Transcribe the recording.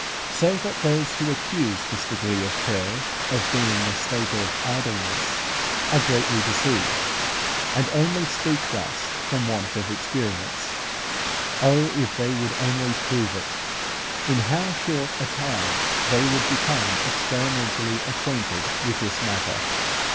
So that those who accuse this degree of prayer of being a state of idleness, are greatly deceived; and only speak thus from want of experience. Oh, if they would only prove it! in how short a time they would become experimentally acquainted with this matter!